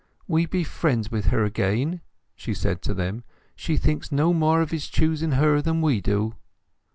"We be friends with her again," she said to them. "She thinks no more of his choosing her than we do."